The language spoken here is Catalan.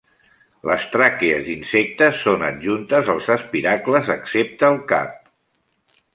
Les tràquees d'insectes són adjuntes als espiracles, excepte el cap.